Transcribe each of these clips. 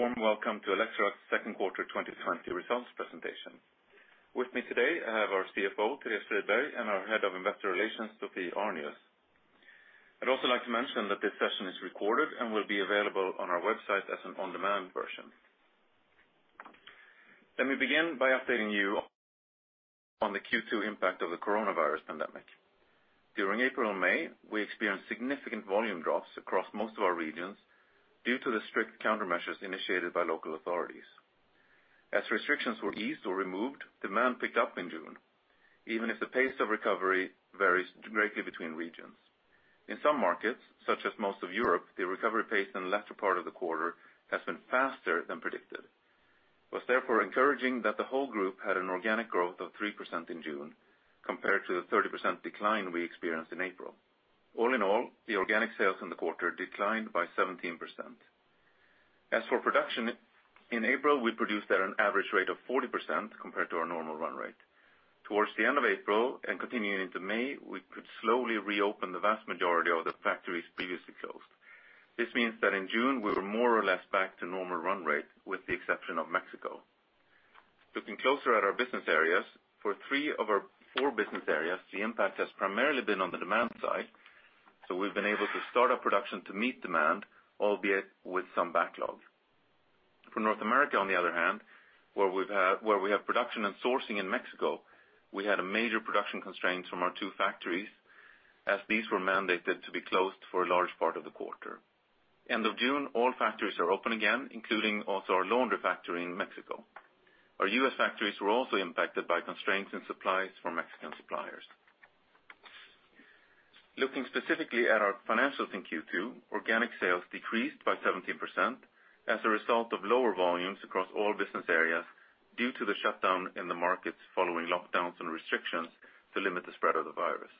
Good morning, a warm welcome to Electrolux Second Quarter 2020 Results Presentation. With me today, I have our CFO, Therese Friberg, and our Head of Investor Relations, Sophie Arnius. I'd also like to mention that this session is recorded and will be available on our website as an on-demand version. Let me begin by updating you on the Q2 impact of the coronavirus pandemic. During April and May, we experienced significant volume drops across most of our regions due to the strict countermeasures initiated by local authorities. As restrictions were eased or removed, demand picked up in June, even if the pace of recovery varies greatly between regions. In some markets, such as most of Europe, the recovery pace in the latter part of the quarter has been faster than predicted. It was therefore encouraging that the whole group had an organic growth of 3% in June compared to the 30% decline we experienced in April. All in all, the organic sales in the quarter declined by 17%. As for production, in April, we produced at an average rate of 40% compared to our normal run rate. Towards the end of April and continuing into May, we could slowly reopen the vast majority of the factories previously closed. This means that in June, we were more or less back to normal run rate, with the exception of Mexico. Looking closer at our business areas, for three of our four business areas, the impact has primarily been on the demand side, so we've been able to start our production to meet demand, albeit with some backlog. For North America, on the other hand, where we have production and sourcing in Mexico, we had major production constraints from our two factories as these were mandated to be closed for a large part of the quarter. End of June, all factories are open again, including also our laundry factory in Mexico. Our U.S. factories were also impacted by constraints in supplies from Mexican suppliers. Looking specifically at our financials in Q2, organic sales decreased by 17% as a result of lower volumes across all business areas due to the shutdown in the markets following lockdowns and restrictions to limit the spread of the virus.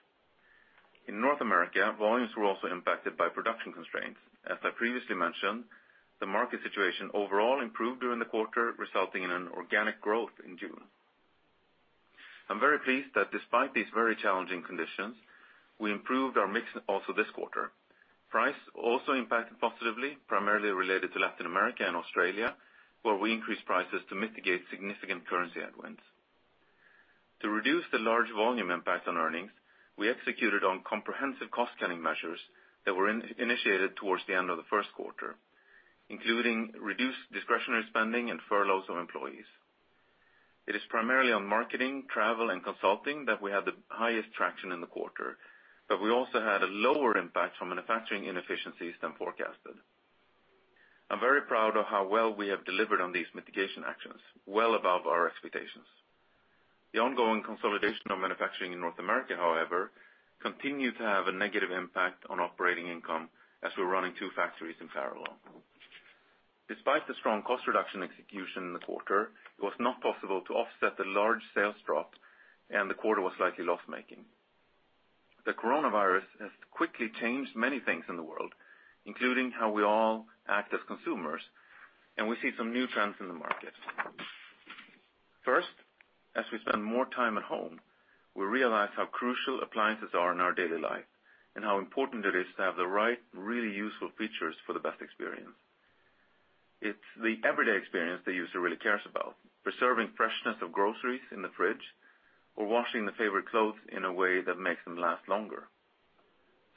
In North America, volumes were also impacted by production constraints. As I previously mentioned, the market situation overall improved during the quarter, resulting in an organic growth in June. I'm very pleased that despite these very challenging conditions, we improved our mix also this quarter. Price also impacted positively, primarily related to Latin America and Australia, where we increased prices to mitigate significant currency headwinds. To reduce the large volume impact on earnings, we executed on comprehensive cost-cutting measures that were initiated towards the end of the first quarter, including reduced discretionary spending and furloughs of employees. It is primarily on marketing, travel, and consulting that we had the highest traction in the quarter, but we also had a lower impact from manufacturing inefficiencies than forecasted. I'm very proud of how well we have delivered on these mitigation actions, well above our expectations. The ongoing consolidation of manufacturing in North America, however, continued to have a negative impact on operating income as we're running two factories in parallel. Despite the strong cost reduction execution in the quarter, it was not possible to offset the large sales drop, and the quarter was slightly loss-making. The coronavirus has quickly changed many things in the world, including how we all act as consumers. We see some new trends in the market. First, as we spend more time at home, we realize how crucial appliances are in our daily life and how important it is to have the right, really useful features for the best experience. It's the everyday experience the user really cares about, preserving freshness of groceries in the fridge or washing the favorite clothes in a way that makes them last longer.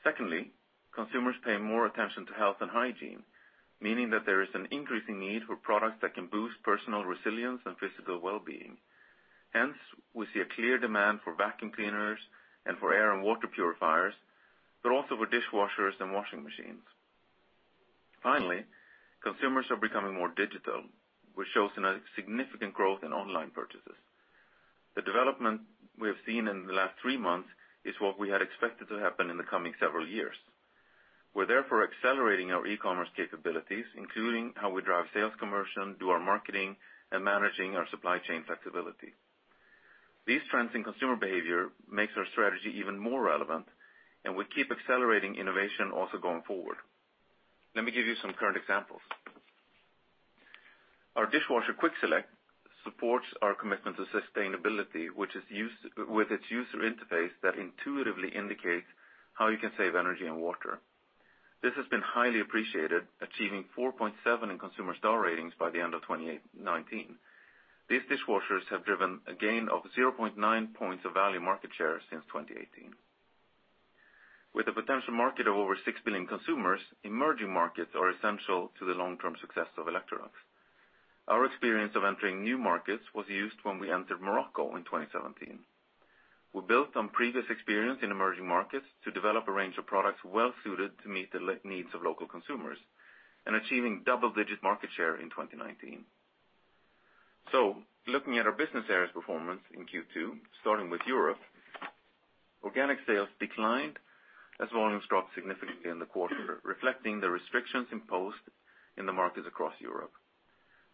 Secondly, consumers pay more attention to health and hygiene, meaning that there is an increasing need for products that can boost personal resilience and physical well-being. We see a clear demand for vacuum cleaners and for air and water purifiers, but also for dishwashers and washing machines. Finally, consumers are becoming more digital, which shows in a significant growth in online purchases. The development we have seen in the last three months is what we had expected to happen in the coming several years. We're therefore accelerating our e-commerce capabilities, including how we drive sales conversion, do our marketing, and managing our supply chain flexibility. These trends in consumer behavior makes our strategy even more relevant, and we keep accelerating innovation also going forward. Let me give you some current examples. Our dishwasher, QuickSelect, supports our commitment to sustainability, with its user interface that intuitively indicates how you can save energy and water. This has been highly appreciated, achieving 4.7 in consumer star ratings by the end of 2019. These dishwashers have driven a gain of 0.9 points of value market share since 2018. With a potential market of over 6 billion consumers, emerging markets are essential to the long-term success of Electrolux. Our experience of entering new markets was used when we entered Morocco in 2017. We built on previous experience in emerging markets to develop a range of products well-suited to meet the needs of local consumers and achieving double-digit market share in 2019. Looking at our business areas performance in Q2, starting with Europe, organic sales declined as volumes dropped significantly in the quarter, reflecting the restrictions imposed in the markets across Europe.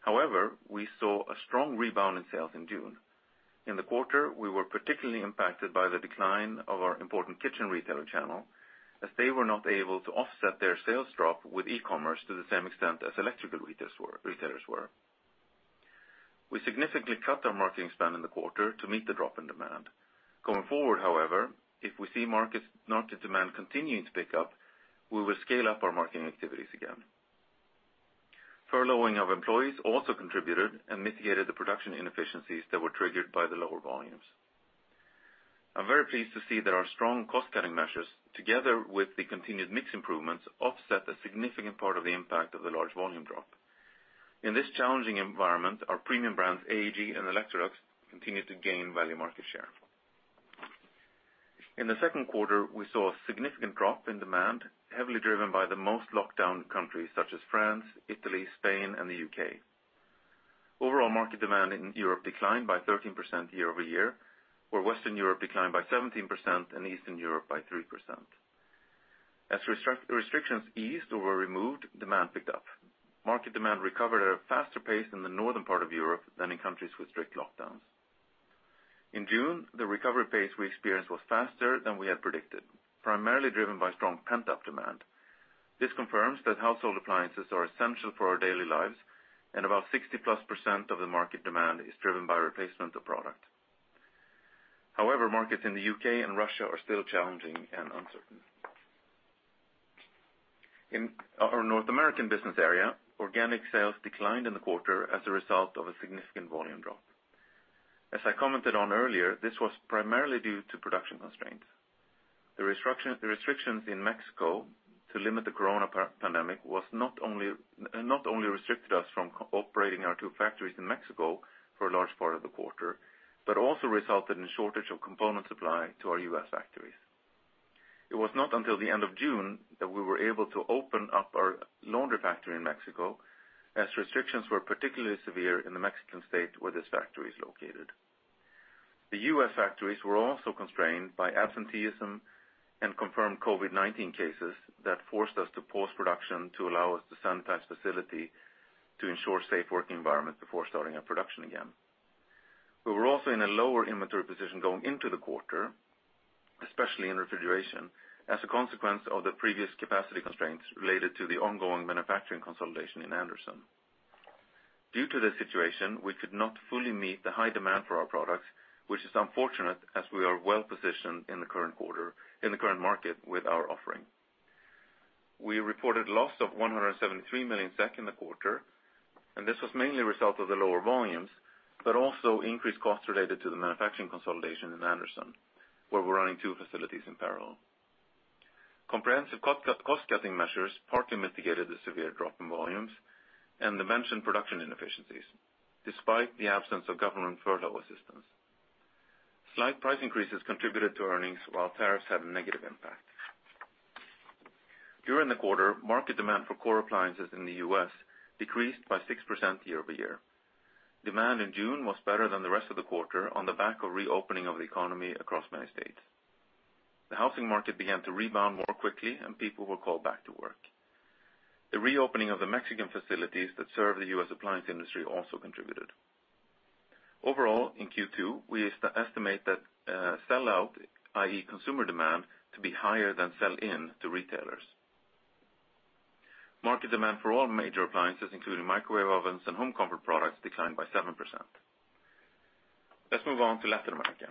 However, we saw a strong rebound in sales in June. In the quarter, we were particularly impacted by the decline of our important kitchen retailer channel, as they were not able to offset their sales drop with e-commerce to the same extent as electrical retailers were. We significantly cut our marketing spend in the quarter to meet the drop in demand. Going forward, however, if we see market demand continuing to pick up, we will scale up our marketing activities again. Furloughing of employees also contributed and mitigated the production inefficiencies that were triggered by the lower volumes. I'm very pleased to see that our strong cost-cutting measures, together with the continued mix improvements, offset a significant part of the impact of the large volume drop. In this challenging environment, our premium brands, AEG and Electrolux, continue to gain value market share. In the second quarter, we saw a significant drop in demand, heavily driven by the most locked down countries such as France, Italy, Spain, and the U.K. Overall market demand in Europe declined by 13% year-over-year, where Western Europe declined by 17% and Eastern Europe by 3%. As restrictions eased or were removed, demand picked up. Market demand recovered at a faster pace in the northern part of Europe than in countries with strict lockdowns. In June, the recovery pace we experienced was faster than we had predicted, primarily driven by strong pent-up demand. This confirms that household appliances are essential for our daily lives, and about 60-plus% of the market demand is driven by replacement of product. However, markets in the U.K. and Russia are still challenging and uncertain. In our North American business area, organic sales declined in the quarter as a result of a significant volume drop. As I commented on earlier, this was primarily due to production constraints. The restrictions in Mexico to limit the coronavirus pandemic not only restricted us from operating our two factories in Mexico for a large part of the quarter, but also resulted in shortage of component supply to our U.S. factories. It was not until the end of June that we were able to open up our laundry factory in Mexico, as restrictions were particularly severe in the Mexican state where this factory is located. The U.S. factories were also constrained by absenteeism and confirmed COVID-19 cases that forced us to pause production to allow us to sanitize the facility to ensure safe working environment before starting our production again. We were also in a lower inventory position going into the quarter, especially in refrigeration, as a consequence of the previous capacity constraints related to the ongoing manufacturing consolidation in Anderson. Due to this situation, we could not fully meet the high demand for our products, which is unfortunate as we are well-positioned in the current market with our offering. We reported loss of 173 million SEK in the quarter, and this was mainly a result of the lower volumes, but also increased costs related to the manufacturing consolidation in Anderson, where we're running two facilities in parallel. Comprehensive cost-cutting measures partly mitigated the severe drop in volumes and the mentioned production inefficiencies, despite the absence of government furlough assistance. Slight price increases contributed to earnings, while tariffs had a negative impact. During the quarter, market demand for core appliances in the U.S. decreased by 6% year-over-year. Demand in June was better than the rest of the quarter on the back of reopening of the economy across many states. The housing market began to rebound more quickly and people were called back to work. The reopening of the Mexican facilities that serve the U.S. appliance industry also contributed. Overall, in Q2, we estimate that sell out, i.e., consumer demand, to be higher than sell-in to retailers. Market demand for all major appliances, including microwave ovens and home comfort products, declined by 7%. Let's move on to Latin America,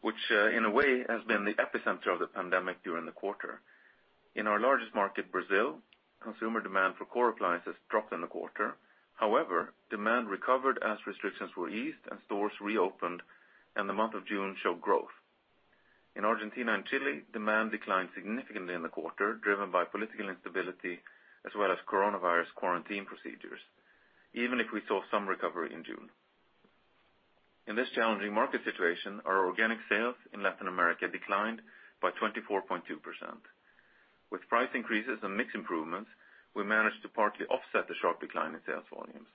which in a way has been the epicenter of the pandemic during the quarter. In our largest market, Brazil, consumer demand for core appliances dropped in the quarter. However, demand recovered as restrictions were eased and stores reopened, and the month of June showed growth. In Argentina and Chile, demand declined significantly in the quarter, driven by political instability as well as coronavirus quarantine procedures, even if we saw some recovery in June. In this challenging market situation, our organic sales in Latin America declined by 24.2%. With price increases and mix improvements, we managed to partly offset the sharp decline in sales volumes.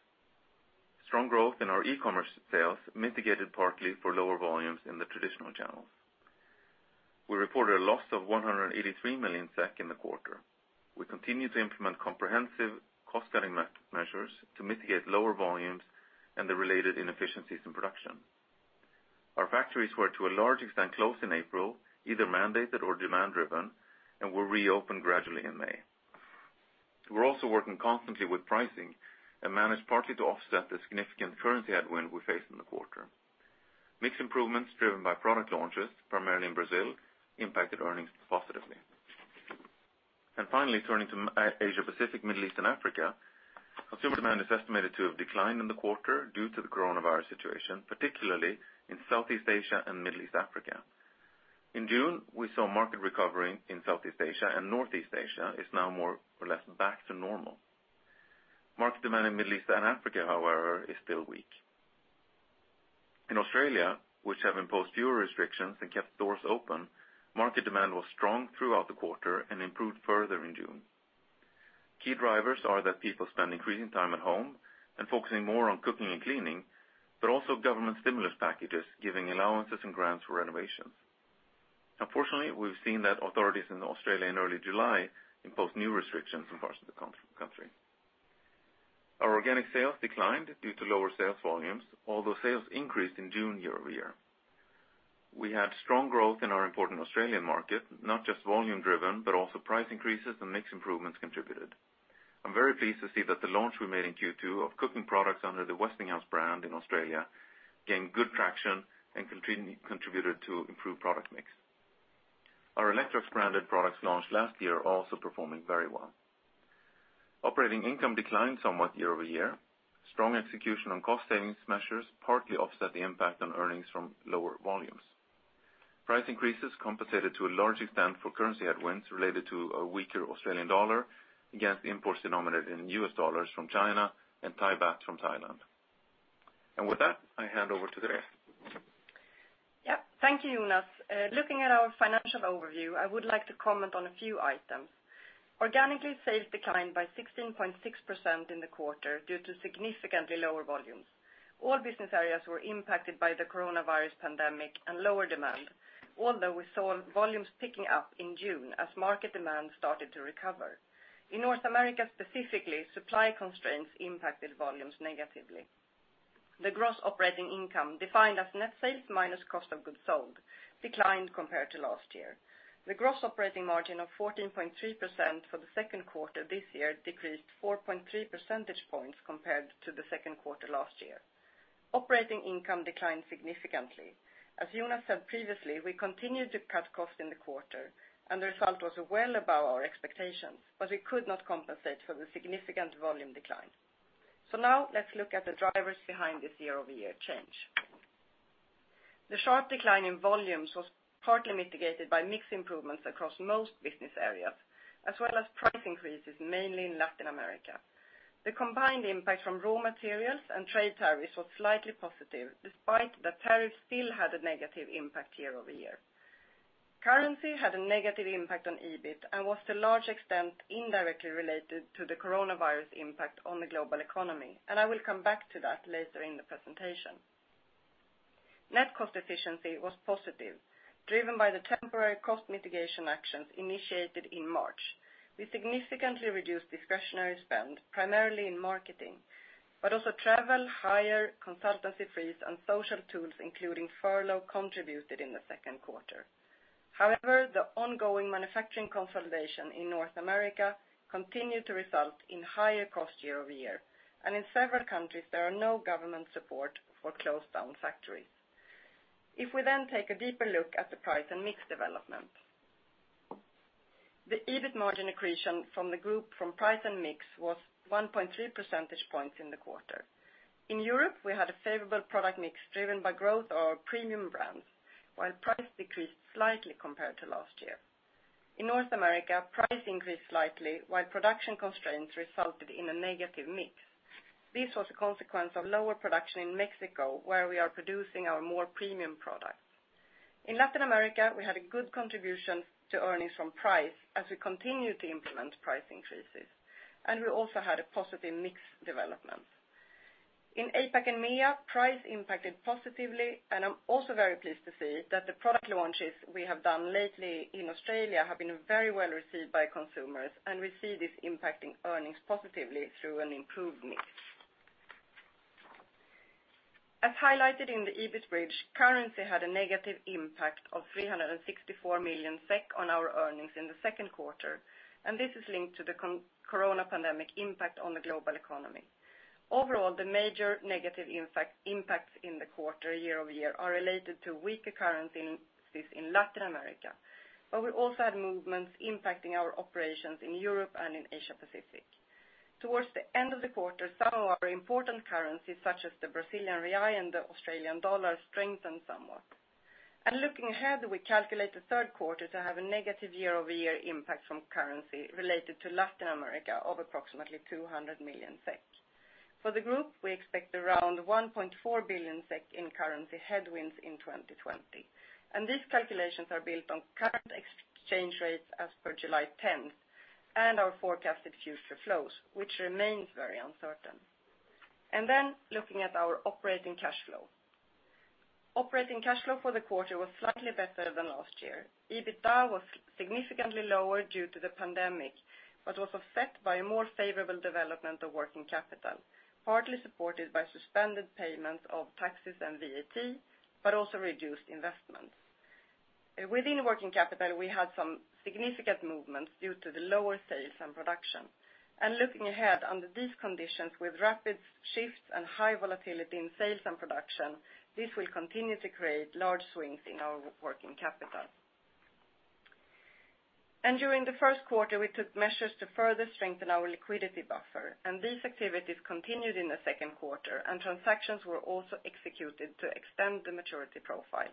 Strong growth in our e-commerce sales mitigated partly for lower volumes in the traditional channels. We reported a loss of 183 million SEK in the quarter. We continue to implement comprehensive cost-cutting measures to mitigate lower volumes and the related inefficiencies in production. Our factories were to a large extent closed in April, either mandated or demand-driven, and were reopened gradually in May. We're also working constantly with pricing and managed partly to offset the significant currency headwind we faced in the quarter. Mix improvements driven by product launches, primarily in Brazil, impacted earnings positively. Finally, turning to Asia-Pacific, Middle East, and Africa, consumer demand is estimated to have declined in the quarter due to the coronavirus situation, particularly in Southeast Asia and Middle East, Africa. In June, we saw market recovering in Southeast Asia and Northeast Asia is now more or less back to normal. Market demand in Middle East and Africa, however, is still weak. In Australia, which have imposed fewer restrictions and kept stores open, market demand was strong throughout the quarter and improved further in June. Key drivers are that people spend increasing time at home and focusing more on cooking and cleaning, but also government stimulus packages giving allowances and grants for renovations. Unfortunately, we've seen that authorities in Australia in early July imposed new restrictions in parts of the country. Our organic sales declined due to lower sales volumes, although sales increased in June year-over-year. We had strong growth in our important Australian market, not just volume-driven, but also price increases and mix improvements contributed. I'm very pleased to see that the launch we made in Q2 of cooking products under the Westinghouse brand in Australia gained good traction and contributed to improved product mix. Our Electrolux branded products launched last year are also performing very well. Operating income declined somewhat year-over-year. Strong execution on cost savings measures partly offset the impact on earnings from lower volumes. Price increases compensated to a large extent for currency headwinds related to a weaker AUD against imports denominated in $ from China and THB from Thailand. With that, I hand over to Therese. Yep. Thank you, Jonas. Looking at our financial overview, I would like to comment on a few items. Organically, sales declined by 16.6% in the quarter due to significantly lower volumes. All business areas were impacted by the coronavirus pandemic and lower demand, although we saw volumes picking up in June as market demand started to recover. In North America, specifically, supply constraints impacted volumes negatively. The gross operating income, defined as net sales minus cost of goods sold, declined compared to last year. The gross operating margin of 14.3% for the second quarter this year decreased 4.3 percentage points compared to the second quarter last year. Operating income declined significantly. As Jonas said previously, we continued to cut costs in the quarter, and the result was well above our expectations, but we could not compensate for the significant volume decline. Now let's look at the drivers behind this year-over-year change. The sharp decline in volumes was partly mitigated by mix improvements across most business areas, as well as price increases, mainly in Latin America. The combined impact from raw materials and trade tariffs was slightly positive, despite that tariffs still had a negative impact year-over-year. Currency had a negative impact on EBIT and was to a large extent indirectly related to the coronavirus impact on the global economy, and I will come back to that later in the presentation. Net cost efficiency was positive, driven by the temporary cost mitigation actions initiated in March. We significantly reduced discretionary spend, primarily in marketing, but also travel, hire, consultancy fees, and social tools, including furlough, contributed in the second quarter. However, the ongoing manufacturing consolidation in North America continued to result in higher cost year-over-year, and in several countries, there are no government support for closed down factories. If we take a deeper look at the price and mix development, the EBIT margin accretion from the group from price and mix was 1.3 percentage points in the quarter. In Europe, we had a favorable product mix driven by growth of our premium brands, while price decreased slightly compared to last year. In North America, price increased slightly, while production constraints resulted in a negative mix. This was a consequence of lower production in Mexico, where we are producing our more premium products. In Latin America, we had a good contribution to earnings from price as we continued to implement price increases, and we also had a positive mix development. In APAC and MEA, price impacted positively, and I'm also very pleased to see that the product launches we have done lately in Australia have been very well received by consumers, and we see this impacting earnings positively through an improved mix. As highlighted in the EBIT bridge, currency had a negative impact of 364 million SEK on our earnings in the second quarter, and this is linked to the corona pandemic impact on the global economy. Overall, the major negative impacts in the quarter year-over-year are related to weaker currency in Latin America, but we also had movements impacting our operations in Europe and in Asia Pacific. Towards the end of the quarter, some of our important currencies, such as the Brazilian real and the Australian dollar, strengthened somewhat. Looking ahead, we calculate the third quarter to have a negative year-over-year impact from currency related to Latin America of approximately 200 million SEK. For the group, we expect around 1.4 billion SEK in currency headwinds in 2020. These calculations are built on current exchange rates as per July 10th and our forecasted future flows, which remains very uncertain. Looking at our operating cash flow. Operating cash flow for the quarter was slightly better than last year. EBITDA was significantly lower due to the pandemic, but was offset by a more favorable development of working capital, partly supported by suspended payments of taxes and VAT, but also reduced investments. Within working capital, we had some significant movements due to the lower sales and production. Looking ahead, under these conditions, with rapid shifts and high volatility in sales and production, this will continue to create large swings in our working capital. During the first quarter, we took measures to further strengthen our liquidity buffer, and these activities continued in the second quarter, and transactions were also executed to extend the maturity profile.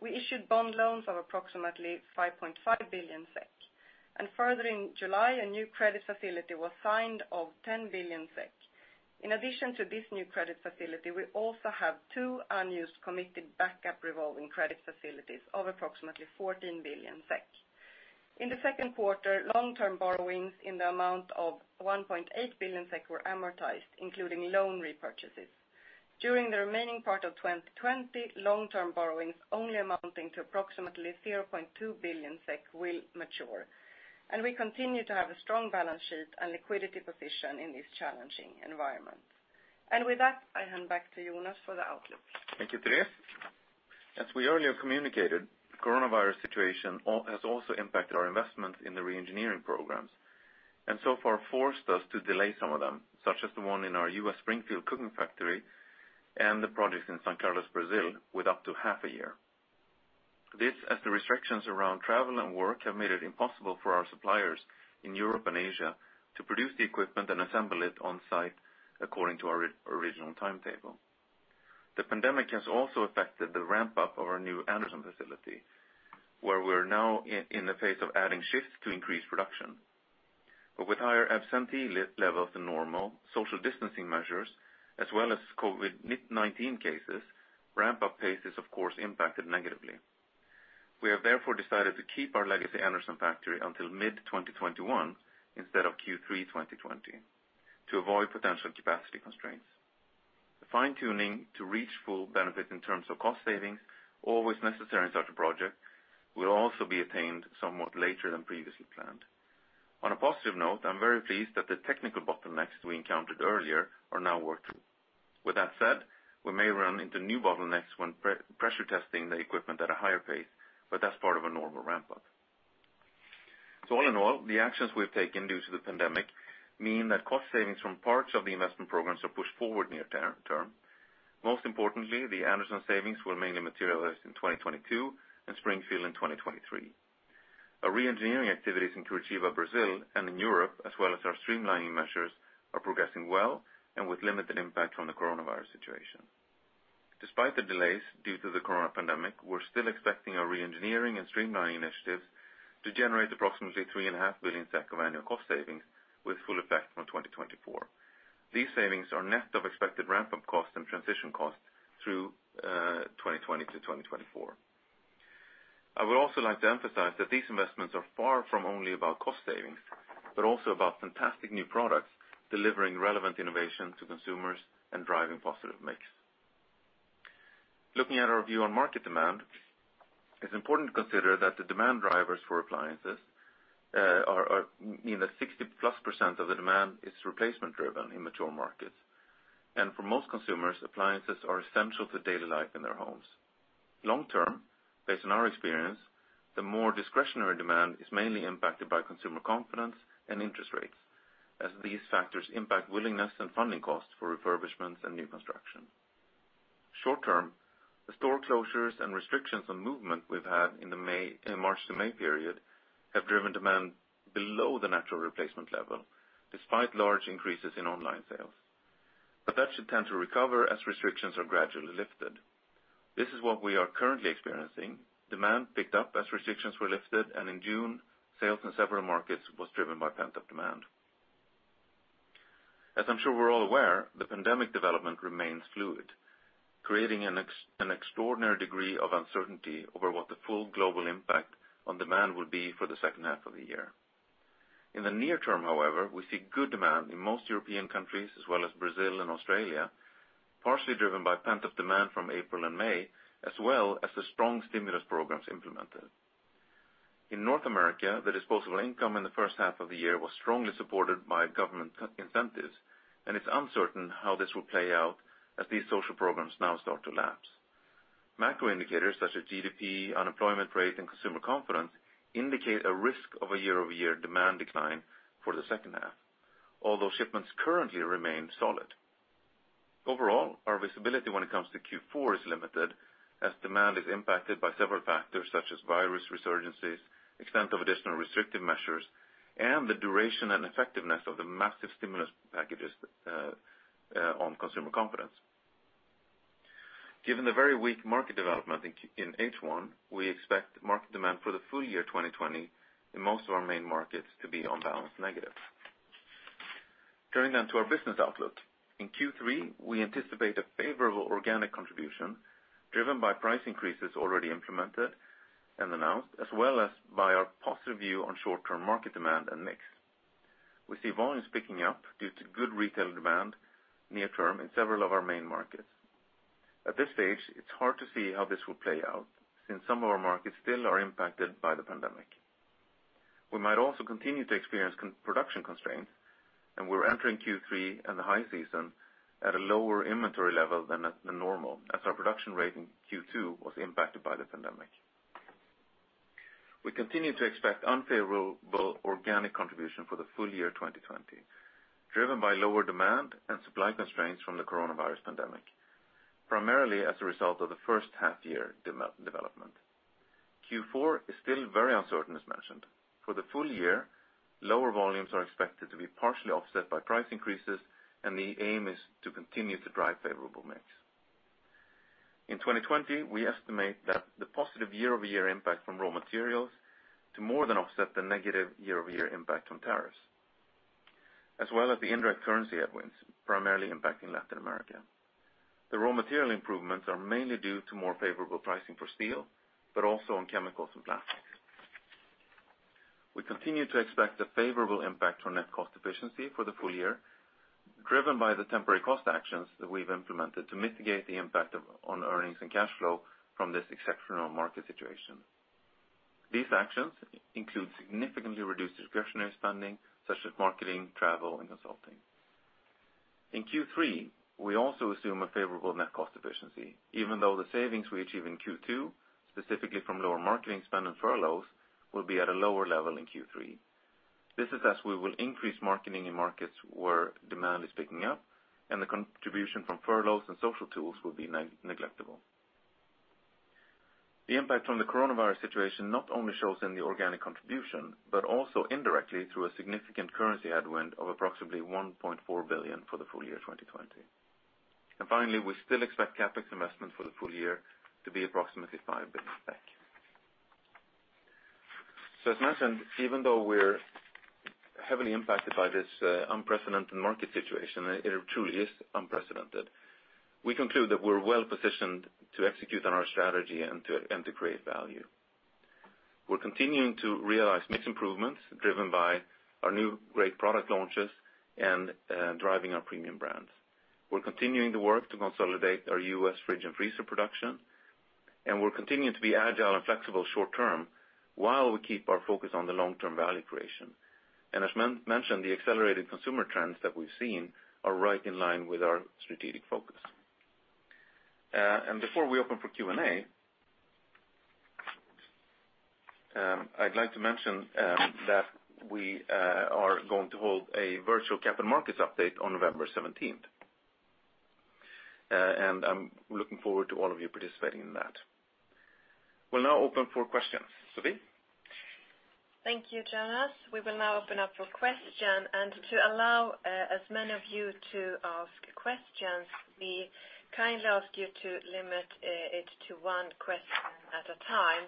We issued bond loans of approximately 5.5 billion SEK, and further in July, a new credit facility was signed of 10 billion SEK. In addition to this new credit facility, we also have two unused committed backup revolving credit facilities of approximately 14 billion SEK. In the second quarter, long-term borrowings in the amount of 1.8 billion SEK were amortized, including loan repurchases. During the remaining part of 2020, long-term borrowings only amounting to approximately 0.2 billion SEK will mature, and we continue to have a strong balance sheet and liquidity position in this challenging environment. With that, I hand back to Jonas for the outlook. Thank you, Therese. As we earlier communicated, coronavirus situation has also impacted our investments in the re-engineering programs, and so far forced us to delay some of them, such as the one in our U.S. Springfield cooking factory and the project in São Carlos, Brazil, with up to half a year. This, as the restrictions around travel and work have made it impossible for our suppliers in Europe and Asia to produce the equipment and assemble it on-site according to our original timetable. The pandemic has also affected the ramp-up of our new Anderson facility, where we're now in the phase of adding shifts to increase production. With higher absentee levels than normal, social distancing measures, as well as COVID-19 cases, ramp-up pace is, of course, impacted negatively. We have therefore decided to keep our legacy Anderson factory until mid-2021, instead of Q3 2020, to avoid potential capacity constraints. The fine-tuning to reach full benefit in terms of cost savings, always necessary in such a project, will also be attained somewhat later than previously planned. On a positive note, I'm very pleased that the technical bottlenecks we encountered earlier are now worked through. With that said, we may run into new bottlenecks when pressure testing the equipment at a higher pace, but that's part of a normal ramp-up. All in all, the actions we've taken due to the pandemic mean that cost savings from parts of the investment programs are pushed forward near term. Most importantly, the Anderson savings will mainly materialize in 2022 and Springfield in 2023. Our re-engineering activities in Curitiba, Brazil, and in Europe, as well as our streamlining measures, are progressing well and with limited impact on the coronavirus situation. Despite the delays due to the COVID-19 pandemic, we're still expecting our re-engineering and streamlining initiatives to generate approximately 3.5 billion SEK of annual cost savings with full effect from 2024. These savings are net of expected ramp-up costs and transition costs through 2020-2024. I would also like to emphasize that these investments are far from only about cost savings, but also about fantastic new products delivering relevant innovation to consumers and driving positive mix. Looking at our view on market demand, it's important to consider that the demand drivers for appliances are, mean that 60+% of the demand is replacement driven in mature markets. For most consumers, appliances are essential to daily life in their homes. Long term, based on our experience, the more discretionary demand is mainly impacted by consumer confidence and interest rates, as these factors impact willingness and funding costs for refurbishments and new construction. Short term, the store closures and restrictions on movement we've had in the March to May period have driven demand below the natural replacement level, despite large increases in online sales. That should tend to recover as restrictions are gradually lifted. This is what we are currently experiencing. Demand picked up as restrictions were lifted, and in June, sales in several markets was driven by pent-up demand. As I'm sure we're all aware, the pandemic development remains fluid, creating an extraordinary degree of uncertainty over what the full global impact on demand will be for the second half of the year. In the near term, however, we see good demand in most European countries as well as Brazil and Australia, partially driven by pent-up demand from April and May, as well as the strong stimulus programs implemented. In North America, the disposable income in the first half of the year was strongly supported by government incentives, and it's uncertain how this will play out as these social programs now start to lapse. Macro indicators such as GDP, unemployment rate, and consumer confidence indicate a risk of a year-over-year demand decline for the second half, although shipments currently remain solid. Overall, our visibility when it comes to Q4 is limited, as demand is impacted by several factors such as virus resurgences, extent of additional restrictive measures, and the duration and effectiveness of the massive stimulus packages on consumer confidence. Given the very weak market development in H1, we expect market demand for the full year 2020 in most of our main markets to be on balanced negative. Turning then to our business outlook. In Q3, we anticipate a favorable organic contribution, driven by price increases already implemented and announced, as well as by our positive view on short-term market demand and mix. We see volumes picking up due to good retail demand near term in several of our main markets. At this stage, it's hard to see how this will play out, since some of our markets still are impacted by the pandemic. We might also continue to experience production constraints, and we're entering Q3 and the high season at a lower inventory level than normal, as our production rate in Q2 was impacted by the pandemic. We continue to expect unfavorable organic contribution for the full year 2020, driven by lower demand and supply constraints from the coronavirus pandemic, primarily as a result of the first half year development. Q4 is still very uncertain, as mentioned. For the full year, lower volumes are expected to be partially offset by price increases, and the aim is to continue to drive favorable mix. In 2020, we estimate that the positive year-over-year impact from raw materials to more than offset the negative year-over-year impact on tariffs, as well as the indirect currency headwinds, primarily impacting Latin America. The raw material improvements are mainly due to more favorable pricing for steel, but also on chemicals and plastics. We continue to expect a favorable impact on net cost efficiency for the full year, driven by the temporary cost actions that we've implemented to mitigate the impact on earnings and cash flow from this exceptional market situation. These actions include significantly reduced discretionary spending, such as marketing, travel, and consulting. In Q3, we also assume a favorable net cost efficiency, even though the savings we achieve in Q2, specifically from lower marketing spend and furloughs, will be at a lower level in Q3. This is as we will increase marketing in markets where demand is picking up, and the contribution from furloughs and social tools will be negligible. The impact from the coronavirus situation not only shows in the organic contribution, but also indirectly through a significant currency headwind of approximately 1.4 billion for the full year 2020. Finally, we still expect CapEx investment for the full year to be approximately 5 billion. As mentioned, even though we're heavily impacted by this unprecedented market situation, it truly is unprecedented, we conclude that we're well-positioned to execute on our strategy and to create value. We're continuing to realize mix improvements driven by our new great product launches and driving our premium brands. We're continuing to work to consolidate our U.S. fridge and freezer production, and we're continuing to be agile and flexible short term while we keep our focus on the long-term value creation. As mentioned, the accelerated consumer trends that we've seen are right in line with our strategic focus. Before we open for Q&A, I'd like to mention that we are going to hold a virtual capital markets update on November 17th. I'm looking forward to all of you participating in that. We'll now open for questions. Sophie? Thank you, Jonas. We will now open up for question. To allow as many of you to ask questions, we kindly ask you to limit it to one question at a time.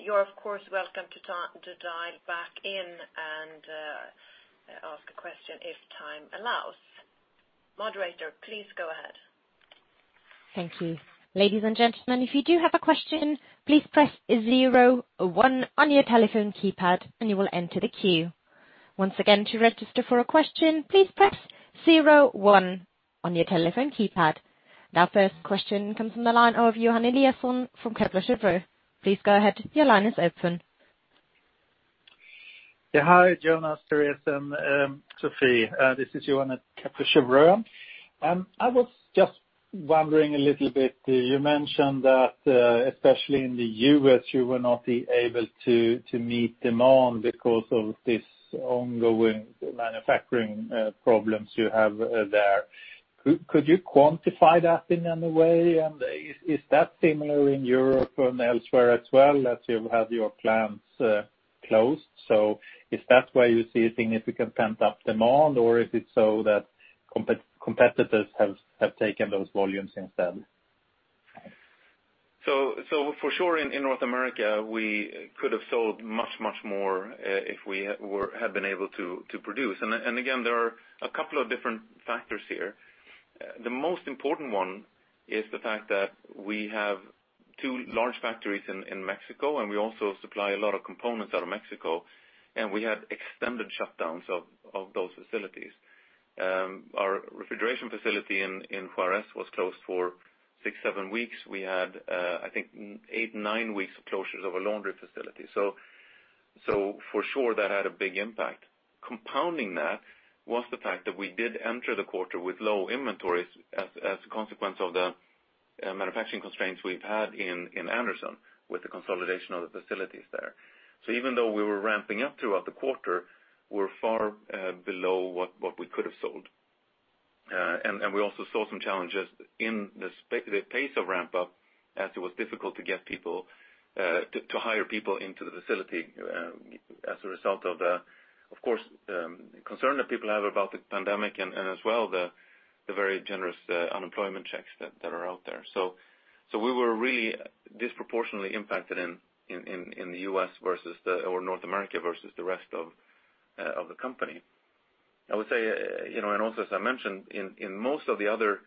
You're, of course, welcome to dial back in and ask a question if time allows. Moderator, please go ahead. Thank you. Ladies and gentlemen, if you do have a question, please press zero one on your telephone keypad and you will enter the queue. Once again, to register for a question, please press zero one on your telephone keypad. Our first question comes from the line of Johan Eliason from Kepler Cheuvreux. Please go ahead. Your line is open. Yeah. Hi, Jonas, Sophie. This is Johan at Kepler Cheuvreux. I was just wondering a little bit, you mentioned that, especially in the U.S., you will not be able to meet demand because of this ongoing manufacturing problems you have there. Could you quantify that in any way? Is that similar in Europe and elsewhere as well as you've had your plants closed? Is that why you see a significant pent-up demand or is it so that competitors have taken those volumes instead? For sure in North America, we could have sold much, much more, if we had been able to produce. Again, there are a couple of different factors here. The most important one is the fact that we have two large factories in Mexico, and we also supply a lot of components out of Mexico, and we had extended shutdowns of those facilities. Our refrigeration facility in Juarez was closed for six, seven weeks. We had, I think, eight, nine weeks closures of a laundry facility. For sure that had a big impact. Compounding that was the fact that we did enter the quarter with low inventories as a consequence of the manufacturing constraints we've had in Anderson with the consolidation of the facilities there. Even though we were ramping up throughout the quarter, we're far below what we could have sold. We also saw some challenges in the pace of ramp-up as it was difficult to hire people into the facility, as a result of the, of course, concern that people have about the pandemic and as well, the very generous unemployment checks that are out there. We were really disproportionately impacted in the U.S. or North America versus the rest of the company. I would say, as I mentioned, in most of the other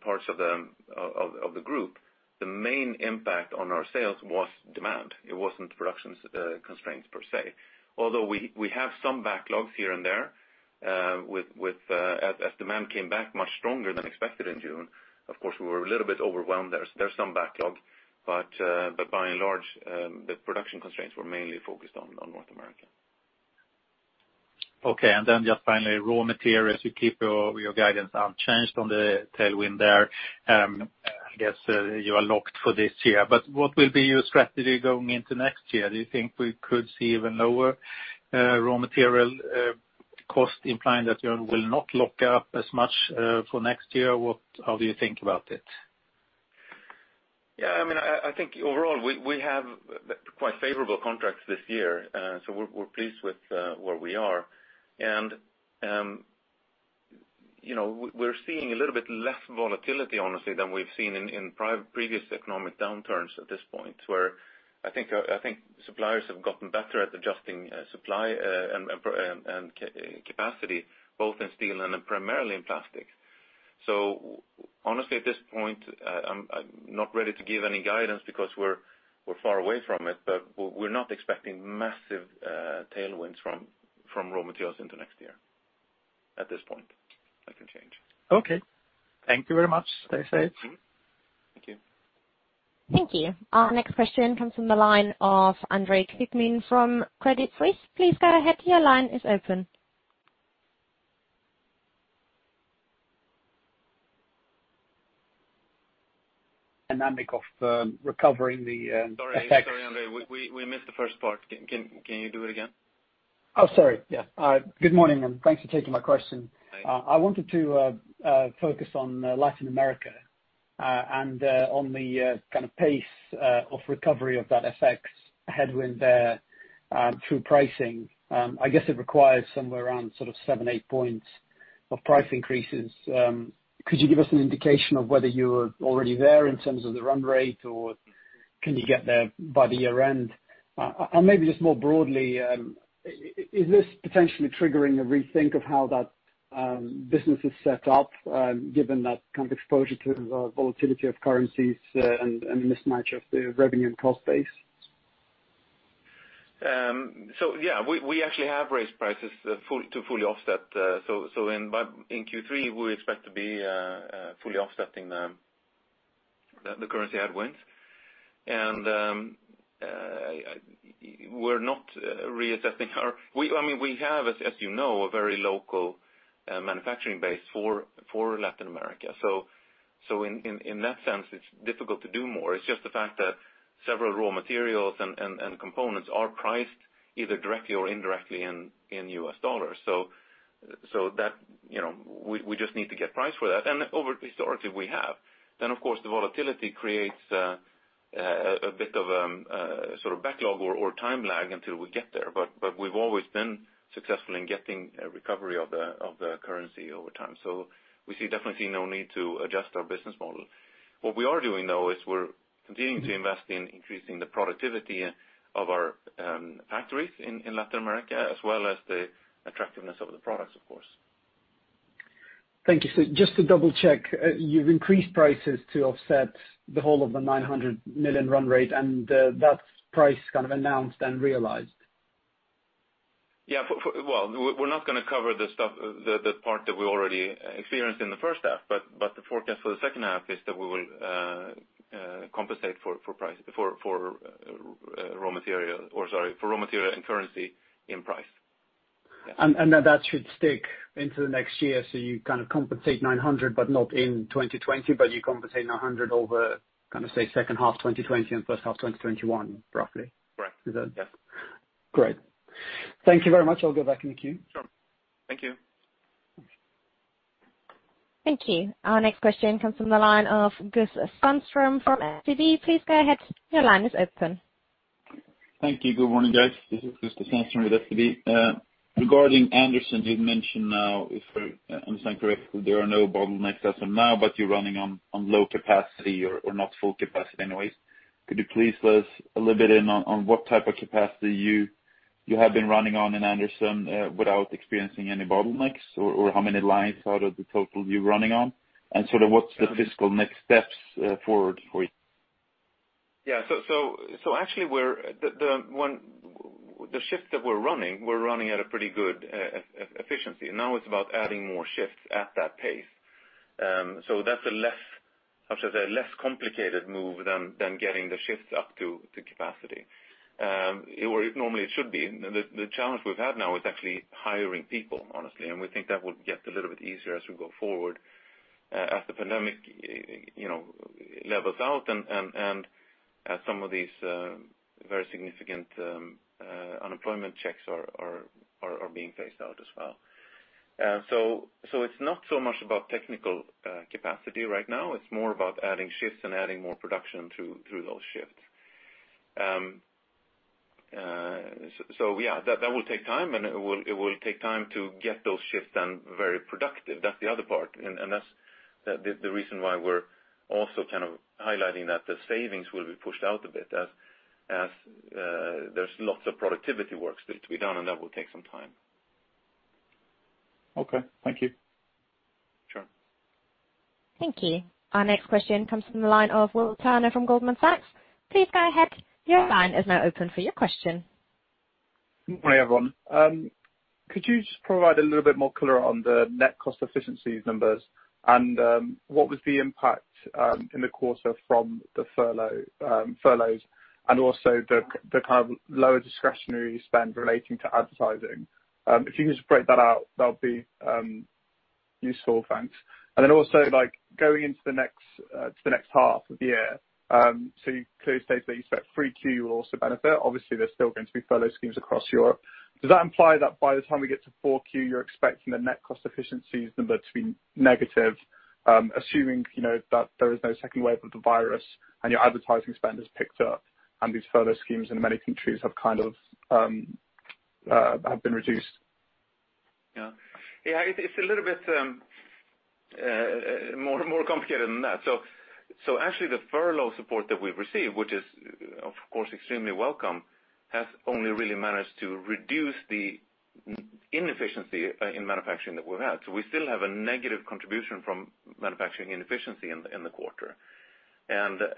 parts of the group, the main impact on our sales was demand. It wasn't production constraints per se. Although we have some backlogs here and there, as demand came back much stronger than expected in June, of course, we were a little bit overwhelmed there. There's some backlog, but by and large, the production constraints were mainly focused on North America. Okay. Just finally, raw materials, you keep your guidance unchanged on the tailwind there. I guess you are locked for this year, but what will be your strategy going into next year? Do you think we could see even lower raw material cost implying that you will not lock up as much, for next year? How do you think about it? I think overall we have quite favorable contracts this year. We're pleased with where we are. We're seeing a little bit less volatility honestly, than we've seen in previous economic downturns at this point, where I think suppliers have gotten better at adjusting supply and capacity both in steel and primarily in plastics. Honestly, at this point, I'm not ready to give any guidance because we're far away from it, but we're not expecting massive tailwinds from raw materials into next year at this point. That can change. Okay. Thank you very much. Stay safe. Thank you. Thank you. Our next question comes from the line of Andre Kukhnin from Credit Suisse. Please go ahead. Your line is open. Dynamic of recovering the FX. Sorry, Andre. We missed the first part. Can you do it again? Oh, sorry. Yeah. Good morning, and thanks for taking my question. Thanks. I wanted to focus on Latin America, and on the pace of recovery of that FX headwind there through pricing. I guess it requires somewhere around seven, eight points of price increases. Could you give us an indication of whether you're already there in terms of the run rate, or can you get there by the year-end? Maybe just more broadly, is this potentially triggering a rethink of how that business is set up, given that kind of exposure to the volatility of currencies, and mismatch of the revenue and cost base? Yeah. We actually have raised prices to fully offset. In Q3, we expect to be fully offsetting the currency headwinds. We're not reassessing our. We have, as you know, a very local manufacturing base for Latin America. In that sense, it's difficult to do more. It's just the fact that several raw materials and components are priced either directly or indirectly in US dollars. We just need to get price for that, and historically, we have. Of course, the volatility creates a bit of a backlog or time lag until we get there. We've always been successful in getting a recovery of the currency over time. We definitely see no need to adjust our business model. What we are doing, though, is we're continuing to invest in increasing the productivity of our factories in Latin America, as well as the attractiveness of the products, of course. Thank you. Just to double-check, you've increased prices to offset the whole of the 900 million run rate, and that's price kind of announced and realized? Yeah. Well, we're not going to cover the part that we already experienced in the first half, but the forecast for the second half is that we will compensate for raw material and currency in price. That should stick into the next year. You compensate 900, but not in 2020, but you compensate 900 over, kind of say, second half 2020 and first half 2021, roughly. Correct. Is that? Yeah. Great. Thank you very much. I'll go back in the queue. Sure. Thank you. Thank you. Our next question comes from the line of Gus Sandström from SEB. Please go ahead. Your line is open. Thank you. Good morning, guys. This is Gus Sandström with SEB. Regarding Anderson, you've mentioned now, if I'm understanding correctly, there are no bottlenecks as of now, but you're running on low capacity or not full capacity anyways. Could you please let us a little bit in on what type of capacity you have been running on in Anderson, without experiencing any bottlenecks? Or how many lines out of the total you're running on? Sort of what's the physical next steps forward for you? Yeah. Actually, the shift that we're running, we're running at a pretty good efficiency. Now it's about adding more shifts at that pace. That's a less, how should I say, less complicated move than getting the shifts up to capacity. Normally it should be. The challenge we've had now is actually hiring people, honestly. We think that will get a little bit easier as we go forward, as the pandemic levels out, and as some of these very significant unemployment checks are being phased out as well. It's not so much about technical capacity right now. It's more about adding shifts and adding more production through those shifts. Yeah. That will take time, and it will take time to get those shifts then very productive. That's the other part, and that's the reason why we're also highlighting that the savings will be pushed out a bit, as there's lots of productivity work still to be done, and that will take some time. Okay. Thank you. Sure. Thank you. Our next question comes from the line of Will Turner from Goldman Sachs. Please go ahead. Your line is now open for your question. Good morning, everyone. Could you just provide a little bit more color on the net cost efficiencies numbers? What was the impact in the quarter from the furloughs? Also the kind of lower discretionary spend relating to advertising. If you could just break that out, that will be useful. Thanks. Also, going into the next half of the year. You clearly state that you expect 3Q will also benefit. Obviously, there is still going to be furlough schemes across Europe. Does that imply that by the time we get to 4Q, you are expecting the net cost efficiencies number to be negative, assuming that there is no second wave of the virus and your advertising spend has picked up, and these furlough schemes in many countries have been reduced? Yeah. It is a little bit more complicated than that. Actually, the furlough support that we have received, which is, of course, extremely welcome, has only really managed to reduce the inefficiency in manufacturing that we have had. We still have a negative contribution from manufacturing inefficiency in the quarter. It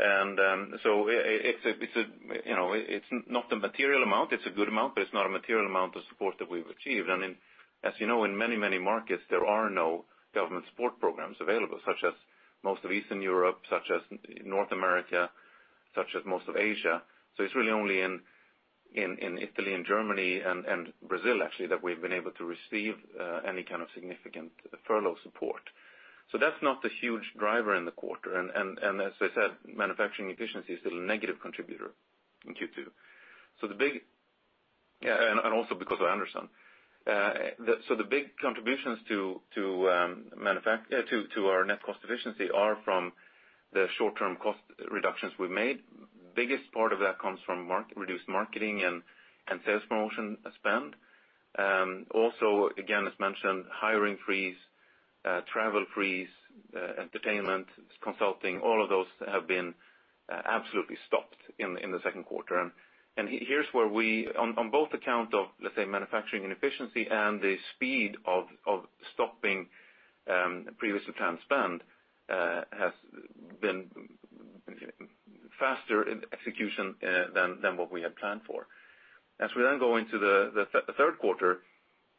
is not a material amount. It is a good amount, but it is not a material amount of support that we have achieved. As you know, in many, many markets, there are no government support programs available, such as most of Eastern Europe, such as North America, such as most of Asia. It is really only in Italy and Germany and Brazil, actually, that we have been able to receive any kind of significant furlough support. That is not the huge driver in the quarter, and as I said, manufacturing efficiency is still a negative contributor in Q2. Also because of Anderson. The big contributions to our net cost efficiency are from the short-term cost reductions we've made. Biggest part of that comes from reduced marketing and sales promotion spend. Also, again, as mentioned, hiring freeze, travel freeze, entertainment, consulting, all of those have been absolutely stopped in the second quarter. On both account of, let's say, manufacturing and efficiency and the speed of stopping previous planned spend has been faster in execution than what we had planned for. As we then go into the third quarter,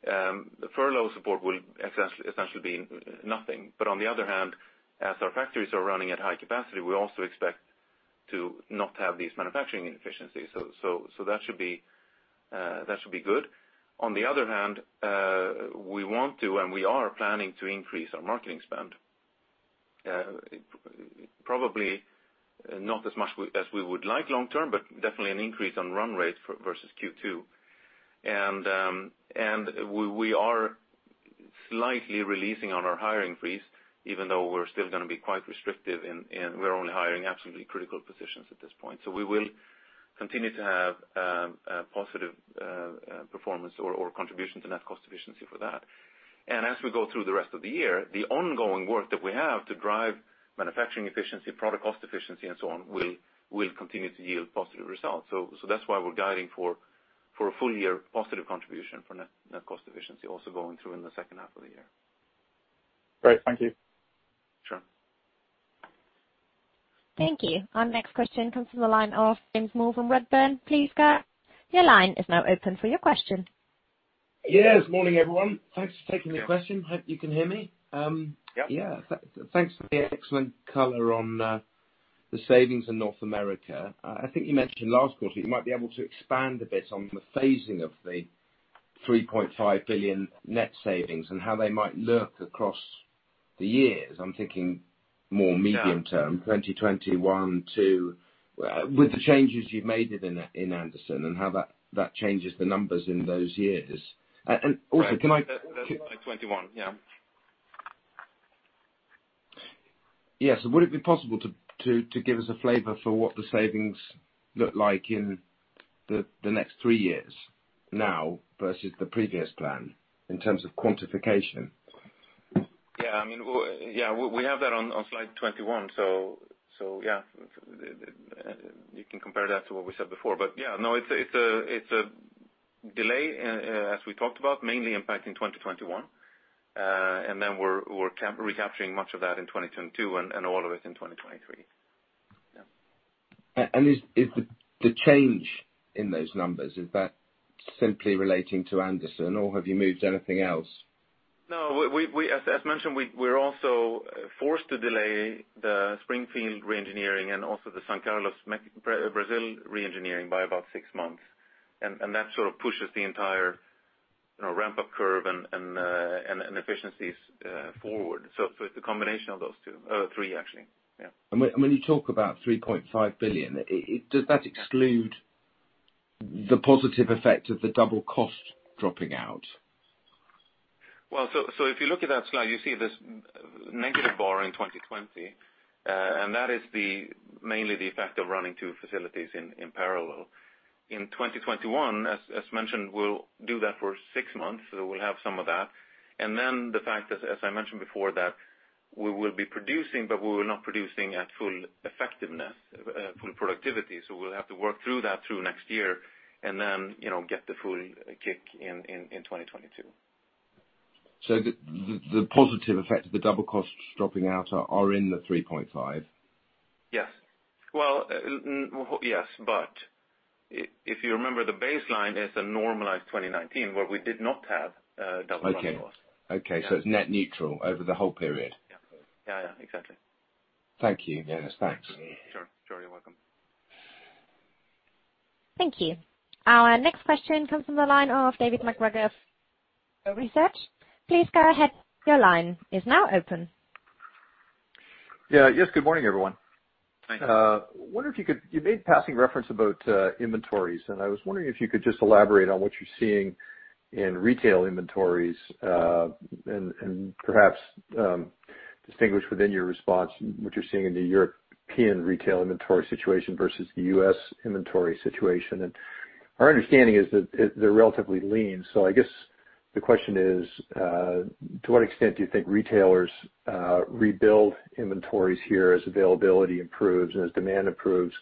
the furlough support will essentially be nothing. On the other hand, as our factories are running at high capacity, we also expect to not have these manufacturing inefficiencies. That should be good. On the other hand, we want to, and we are planning to increase our marketing spend. Probably not as much as we would like long term, but definitely an increase on run rate versus Q2. We are slightly releasing on our hiring freeze, even though we're still going to be quite restrictive, and we are only hiring absolutely critical positions at this point. We will continue to have a positive performance or contribution to net cost efficiency for that. As we go through the rest of the year, the ongoing work that we have to drive manufacturing efficiency, product cost efficiency, and so on, will continue to yield positive results. That's why we're guiding for a full year positive contribution for net cost efficiency, also going through in the second half of the year. Great. Thank you. Sure. Thank you. Our next question comes from the line of James Moore from Redburn. Please go ahead. Your line is now open for your question. Yes, morning, everyone. Thanks for taking the question. Hope you can hear me. Yep. Thanks for the excellent color on the savings in North America. I think you mentioned last quarter you might be able to expand a bit on the phasing of the 3.5 billion net savings and how they might look across the years. I'm thinking more medium-term, 2021 with the changes you've made in Anderson, and how that changes the numbers in those years. That's slide 21, yeah. Yes. Would it be possible to give us a flavor for what the savings look like in the next three years now versus the previous plan in terms of quantification? Yeah. We have that on slide 21, so yeah. You can compare that to what we said before, but yeah. It's a delay, as we talked about, mainly impacting 2021. We're recapturing much of that in 2022 and all of it in 2023. Yeah. The change in those numbers, is that simply relating to Anderson, or have you moved anything else? No. As mentioned, we're also forced to delay the Springfield re-engineering and also the San Carlos, Brazil re-engineering by about six months. That sort of pushes the entire ramp-up curve and efficiencies forward. It's a combination of those two, three, actually. Yeah. When you talk about 3.5 billion, does that exclude the positive effect of the double cost dropping out? Well, if you look at that slide, you see this negative bar in 2020. That is mainly the effect of running two facilities in parallel. In 2021, as mentioned, we'll do that for six months, we'll have some of that. The fact, as I mentioned before, that we will be producing, but we will not producing at full effectiveness, full productivity. We'll have to work through that through next year and then get the full kick in 2022. The positive effect of the double costs dropping out are in the 3.5? Yes. Well, yes. If you remember, the baseline is the normalized 2019, where we did not have double run costs. Okay. It's net neutral over the whole period? Yeah. Exactly. Thank you, Jonas. Thanks. Sure. You're welcome. Thank you. Our next question comes from the line of David MacGregor of Research. Please go ahead. Your line is now open. Yeah. Yes, good morning, everyone. Hi. You made passing reference about inventories. I was wondering if you could just elaborate on what you're seeing in retail inventories, and perhaps distinguish within your response what you're seeing in the European retail inventory situation versus the U.S. inventory situation. Our understanding is that they're relatively lean. I guess the question is, to what extent do you think retailers rebuild inventories here as availability improves and as demand improves?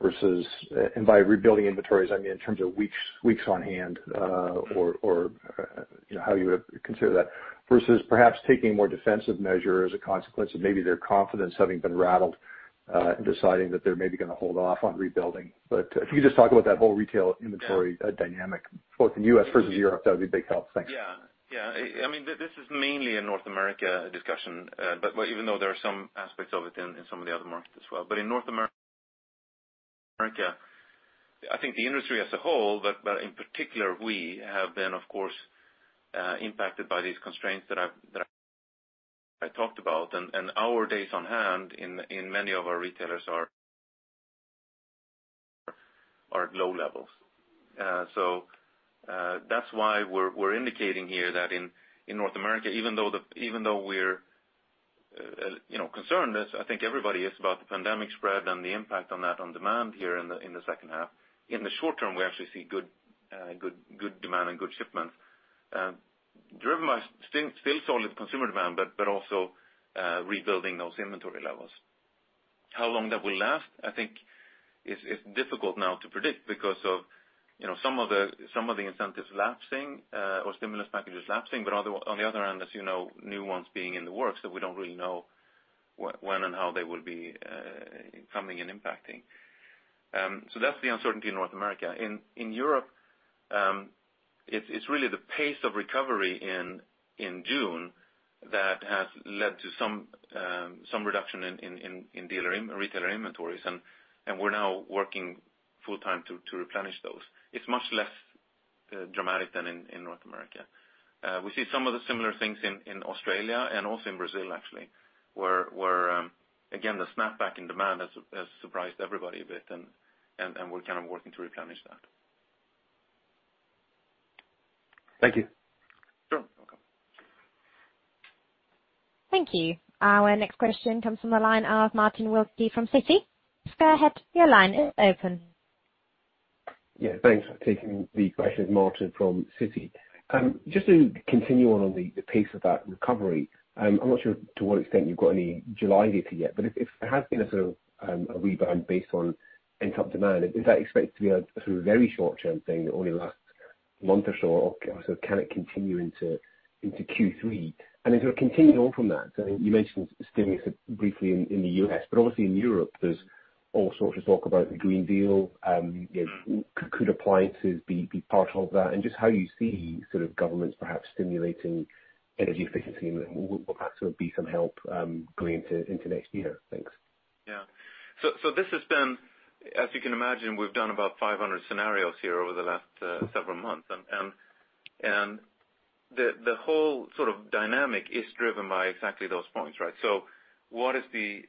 Versus, by rebuilding inventories, I mean in terms of weeks on hand, or how you would consider that, versus perhaps taking more defensive measure as a consequence of maybe their confidence having been rattled, deciding that they're maybe going to hold off on rebuilding. If you could just talk about that whole retail inventory dynamic, both in U.S. versus Europe, that would be a big help. Thanks. This is mainly a North America discussion, even though there are some aspects of it in some of the other markets as well. In North America, I think the industry as a whole, but in particular we, have been, of course, impacted by these constraints that I talked about. Our days on hand in many of our retailers are at low levels. That is why we are indicating here that in North America, even though we are concerned, as I think everybody is, about the pandemic spread and the impact on that on demand here in the second half. In the short term, we actually see good demand and good shipments, driven by still solid consumer demand, but also rebuilding those inventory levels. How long that will last, I think, is difficult now to predict because of some of the incentives lapsing or stimulus packages lapsing, but on the other hand, as you know, new ones being in the works that we don't really know when and how they will be coming and impacting. That's the uncertainty in North America. In Europe, it's really the pace of recovery in June that has led to some reduction in retailer inventories, and we're now working full time to replenish those. It's much less dramatic than in North America. We see some of the similar things in Australia and also in Brazil, actually, where, again, the snap back in demand has surprised everybody a bit, and we're working to replenish that. Thank you. Sure. Welcome. Thank you. Our next question comes from the line of Martin Wilkie from Citi. Go ahead, your line is open. Yeah, thanks for taking the question. Martin from Citi. Just to continue on the pace of that recovery, I'm not sure to what extent you've got any July data yet, but if there has been a sort of a rebound based on pent-up demand, is that expected to be a sort of very short-term thing that only lasts a month or so, or can it continue into Q3? Sort of continuing on from that, you mentioned stimulus briefly in the U.S., but obviously in Europe, there's all sorts of talk about the Green Deal. Could appliances be part of that? Just how you see governments perhaps stimulating energy efficiency, and will that be some help going into next year? Thanks. This has been, as you can imagine, we've done about 500 scenarios here over the last several months, and the whole sort of dynamic is driven by exactly those points, right? What is the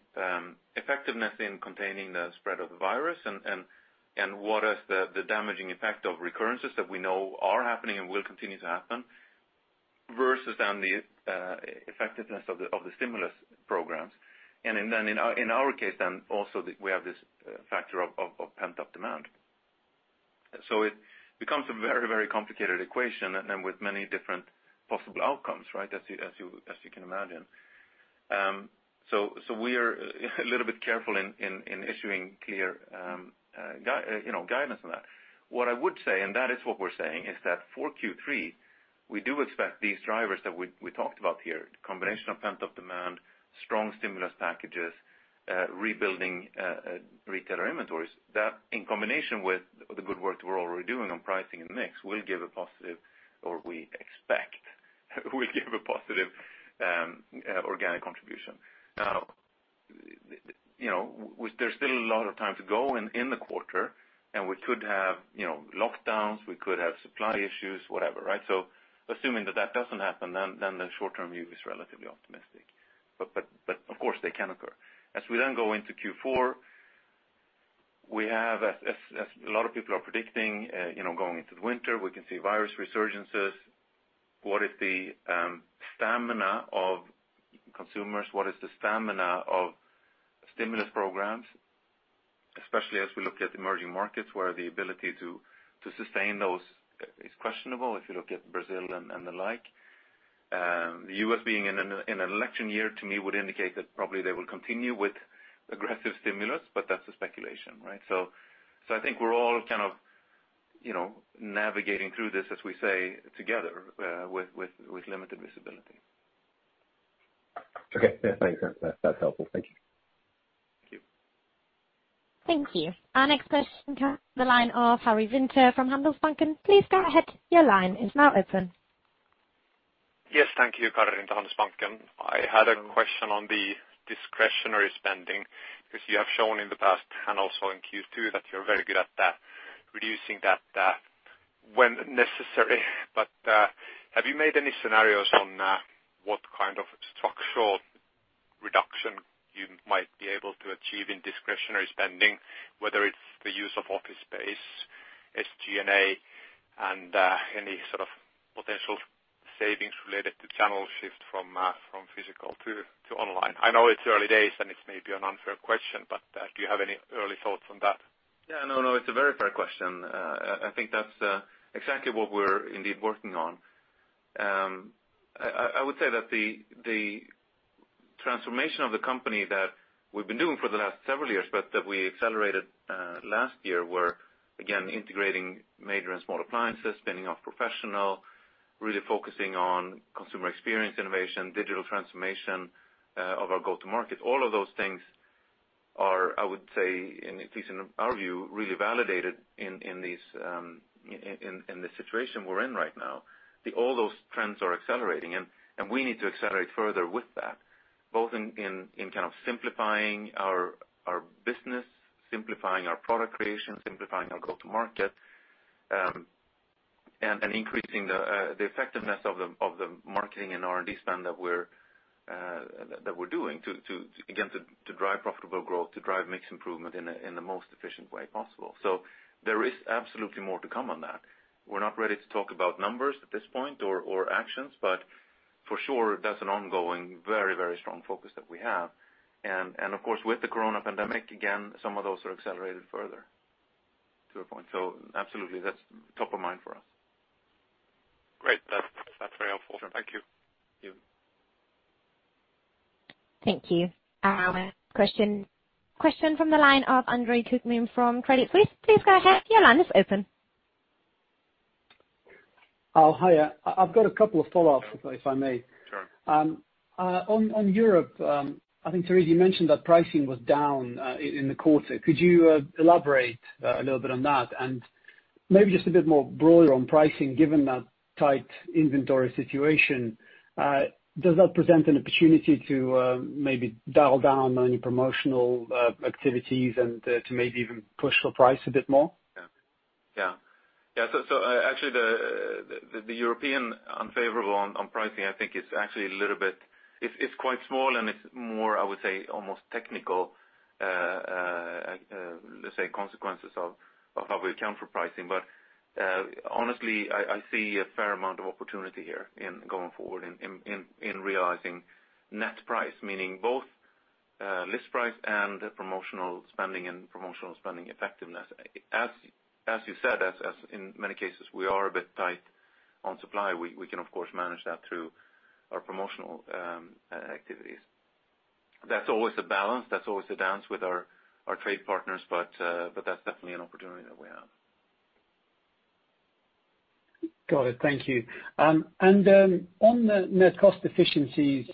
effectiveness in containing the spread of the virus, and what is the damaging effect of recurrences that we know are happening and will continue to happen, versus then the effectiveness of the stimulus programs. In our case then, also, we have this factor of pent-up demand. It becomes a very complicated equation, and then with many different possible outcomes, as you can imagine. We are a little bit careful in issuing clear guidance on that. What I would say, that is what we're saying, is that for Q3, we do expect these drivers that we talked about here, combination of pent-up demand, strong stimulus packages, rebuilding retailer inventories, that in combination with the good work that we're already doing on pricing and mix will give a positive, or we expect will give a positive organic contribution. There's still a lot of time to go in the quarter, and we could have lockdowns, we could have supply issues, whatever. Assuming that that doesn't happen, the short-term view is relatively optimistic. Of course, they can occur. As we go into Q4, we have, as a lot of people are predicting, going into the winter, we can see virus resurgences. What is the stamina of consumers? What is the stamina of stimulus programs, especially as we look at emerging markets, where the ability to sustain those is questionable, if you look at Brazil and the like. The U.S. being in an election year, to me, would indicate that probably they will continue with aggressive stimulus, but that's a speculation. I think we're all kind of navigating through this, as we say, together, with limited visibility. Okay. Yeah, thanks. That's helpful. Thank you. Thank you. Thank you. Our next question comes the line of Karri Rinta from Handelsbanken. Please go ahead, your line is now open. Yes. Thank you, Karri from Handelsbanken. I had a question on the discretionary spending, because you have shown in the past, and also in Q2, that you're very good at that, reducing that when necessary. Have you made any scenarios on what kind of structural reduction you might be able to achieve in discretionary spending, whether it's the use of office space, SG&A, and any sort of potential savings related to channel shift from physical to online? I know it's early days, and it's maybe an unfair question, but do you have any early thoughts on that? Yeah. No, it's a very fair question. I think that's exactly what we're indeed working on. I would say that the transformation of the company that we've been doing for the last several years, but that we accelerated last year, were again integrating major and small appliances, spinning off Professional, really focusing on consumer experience innovation, digital transformation of our go-to market. All of those things are, I would say, at least in our view, really validated in the situation we're in right now. All those trends are accelerating, and we need to accelerate further with that, both in simplifying our business, simplifying our product creation, simplifying our go-to market, and increasing the effectiveness of the marketing and R&D spend that we're doing to drive profitable growth, to drive mix improvement in the most efficient way possible. There is absolutely more to come on that. We're not ready to talk about numbers at this point or actions, but for sure, that's an ongoing, very strong focus that we have. Of course, with the coronavirus pandemic, again, some of those are accelerated further to a point. Absolutely, that's top of mind for us. Great. That's very helpful. Thank you. Sure. Thank you. Question from the line of Andre Kukhnin from Credit Suisse. Please go ahead. Your line is open. Oh, hiya. I've got a couple of follow-ups, if I may. Sure. On Europe, I think, Therese, you mentioned that pricing was down in the quarter. Could you elaborate a little bit on that? Maybe just a bit more broadly on pricing, given that tight inventory situation, does that present an opportunity to maybe dial down on promotional activities and to maybe even push the price a bit more? Yeah. Actually, the European unfavorable on pricing, I think it's quite small, and it's more, I would say, almost technical, let's say, consequences of how we account for pricing. Honestly, I see a fair amount of opportunity here in going forward in realizing net price, meaning both list price and promotional spending and promotional spending effectiveness. As you said, as in many cases, we are a bit tight on supply. We can, of course, manage that through our promotional activities. That's always a balance. That's always a dance with our trade partners. That's definitely an opportunity that we have. Got it. Thank you. On the net cost efficiencies,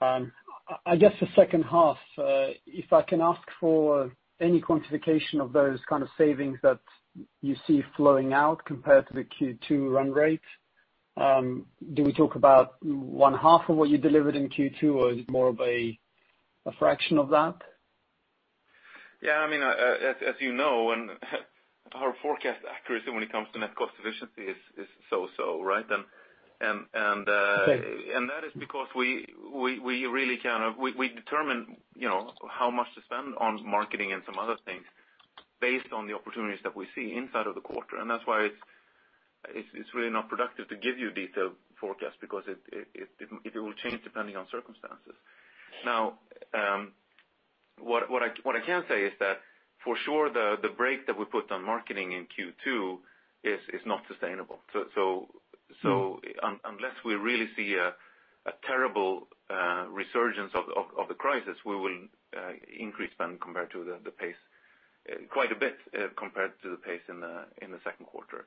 I guess the second half, if I can ask for any quantification of those kind of savings that you see flowing out compared to the Q2 run rate. Do we talk about one half of what you delivered in Q2, or is it more of a fraction of that? As you know, our forecast accuracy when it comes to net cost efficiency is so-so, right? Right. That is because we determine how much to spend on marketing and some other things based on the opportunities that we see inside of the quarter. That's why it's really not productive to give you a detailed forecast because it will change depending on circumstances. What I can say is that for sure, the break that we put on marketing in Q2 is not sustainable. Unless we really see a terrible resurgence of the crisis, we will increase spend quite a bit compared to the pace in the second quarter.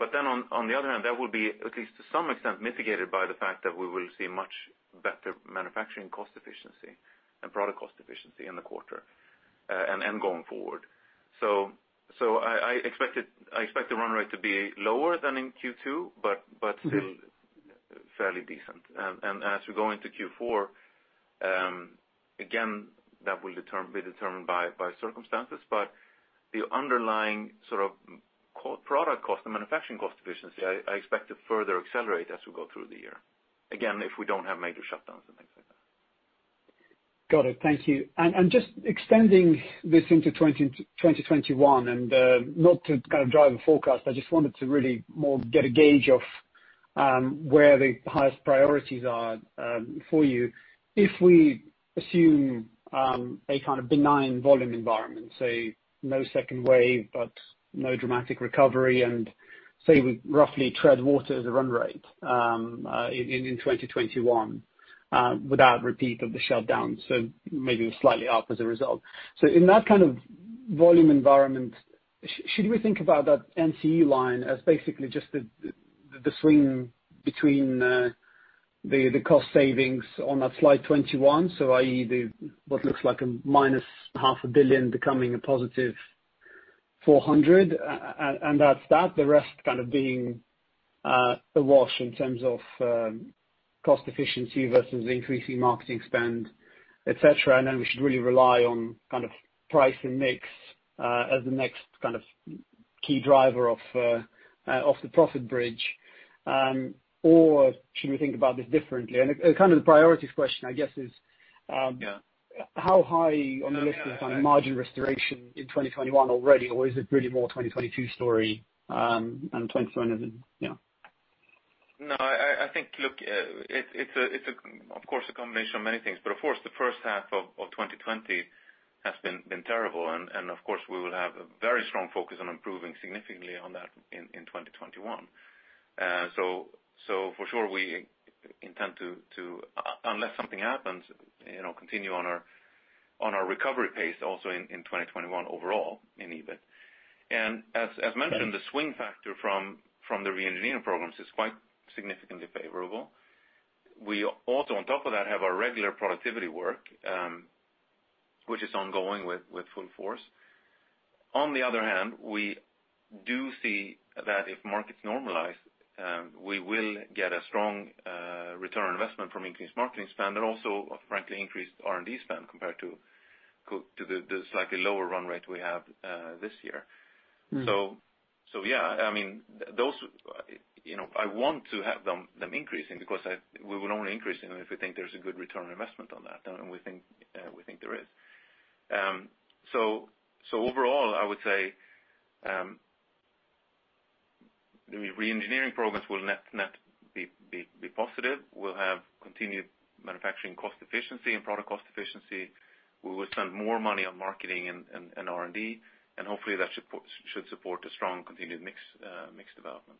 On the other hand, that will be, at least to some extent, mitigated by the fact that we will see much better manufacturing cost efficiency and product cost efficiency in the quarter and going forward. I expect the run rate to be lower than in Q2, but still fairly decent. As we go into Q4, again, that will be determined by circumstances. The underlying product cost and manufacturing cost efficiency, I expect to further accelerate as we go through the year. Again, if we don't have major shutdowns and things like that. Got it. Thank you. Just extending this into 2021, not to drive a forecast, I just wanted to really more get a gauge of where the highest priorities are for you. If we assume a kind of benign volume environment, say no second wave, but no dramatic recovery, and say we roughly tread water as a run rate in 2021 without repeat of the shutdown, so maybe slightly up as a result. In that kind of volume environment, should we think about that NCE line as basically just the swing between the cost savings on that slide 21? i.e., what looks like a minus half a billion becoming a positive 400, and that's that, the rest kind of being a wash in terms of cost efficiency versus increasing marketing spend, et cetera. Then we should really rely on price and mix as the next key driver of the profit bridge. Should we think about this differently? The priorities question. Yeah how high on the list is margin restoration in 2021 already, or is it really more 2022 story and 2021 is, yeah. I think, look, it's of course, a combination of many things. Of course, the first half of 2020 has been terrible, and of course, we will have a very strong focus on improving significantly on that in 2021. For sure, we intend to, unless something happens, continue on our recovery pace also in 2021 overall in EBIT. As mentioned, the swing factor from the re-engineering programs is quite significantly favorable. We also, on top of that, have our regular productivity work, which is ongoing with full force. On the other hand, we do see that if markets normalize, we will get a strong return on investment from increased marketing spend, but also, frankly, increased R&D spend compared to the slightly lower run rate we have this year. Yeah, I want to have them increasing because we would only increase them if we think there's a good return on investment on that, and we think there is. Overall, I would say, the re-engineering programs will net be positive. We'll have continued manufacturing cost efficiency and product cost efficiency. We will spend more money on marketing and R&D, and hopefully that should support a strong continued mix development.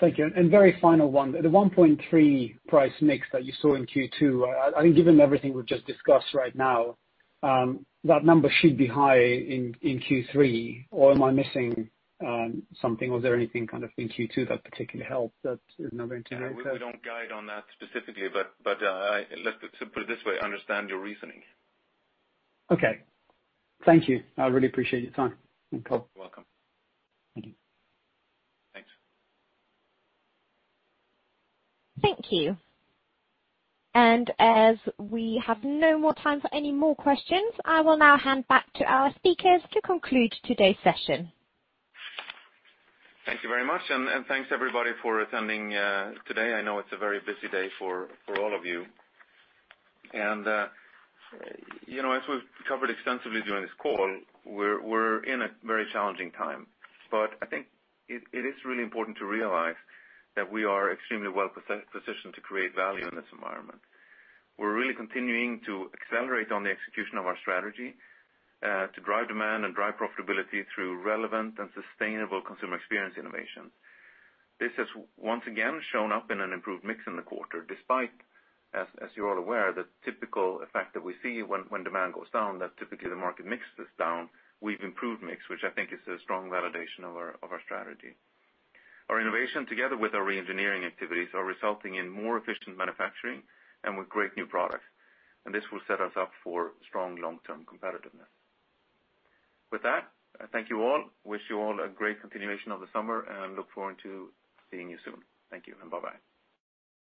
Thank you. Very final one, the 1.3 price mix that you saw in Q2, I think given everything we've just discussed right now, that number should be high in Q3. Am I missing something? Was there anything kind of in Q2 that particularly helped? We don't guide on that specifically, but let's put it this way, I understand your reasoning. Okay. Thank you. I really appreciate your time. You're welcome. Thank you. Thanks. Thank you. As we have no more time for any more questions, I will now hand back to our speakers to conclude today's session. Thank you very much, thanks, everybody, for attending today. I know it's a very busy day for all of you. As we've covered extensively during this call, we're in a very challenging time. I think it is really important to realize that we are extremely well-positioned to create value in this environment. We're really continuing to accelerate on the execution of our strategy to drive demand and drive profitability through relevant and sustainable consumer experience innovation. This has once again shown up in an improved mix in the quarter, despite, as you're all aware, the typical effect that we see when demand goes down, that typically the market mix is down. We've improved mix, which I think is a strong validation of our strategy. Our innovation together with our re-engineering activities are resulting in more efficient manufacturing and with great new products. This will set us up for strong long-term competitiveness. With that, I thank you all, wish you all a great continuation of the summer, and look forward to seeing you soon. Thank you, and bye-bye.